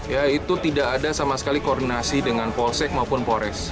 ya itu tidak ada sama sekali koordinasi dengan polsek maupun polres